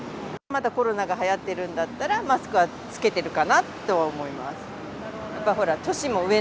まだコロナがはやってるんだったら、マスクは着けてるかなとは思います。